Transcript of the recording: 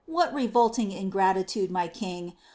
what revolting ingratitude, my King